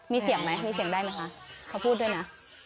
มีเสียงแบบไหมเค้าพูดด้วยนะ